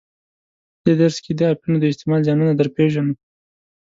په دې درس کې د اپینو د استعمال زیانونه در پیژنو.